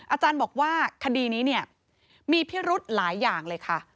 อาจารย์บอกว่าคดีนี้เนี่ยมีพิรุธหลายอย่างเลยค่ะ